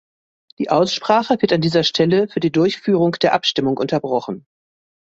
Die Aussprache wird an dieser Stelle für die Durchführung der Abstimmung unterbrochen.